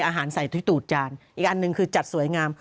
อาหารใส่ที่ตูดจานอีกอันหนึ่งคือจัดสวยงาม